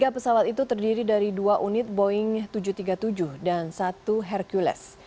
tiga pesawat itu terdiri dari dua unit boeing tujuh ratus tiga puluh tujuh dan satu hercules